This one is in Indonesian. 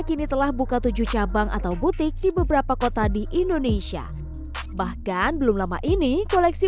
kini telah buka tujuh cabang atau butik di beberapa kota di indonesia bahkan belum lama ini koleksi